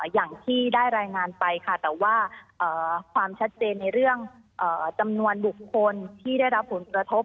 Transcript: อย่างที่ได้รายงานไปค่ะแต่ว่าความชัดเจนในเรื่องจำนวนบุคคลที่ได้รับผลกระทบ